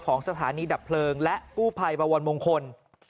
สถานีดับเพลิงและกู้ภัยบวรมงคล